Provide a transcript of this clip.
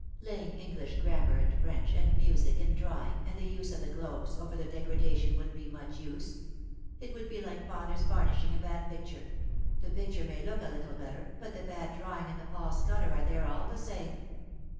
Laying English gram mar and French, and music and drawing, and the use of the globes, over the degradation wouldn't be much use. It would be like father's varnishing a bad picture — the picture may look a little better, but the bad drawing and the false colour are there all the same."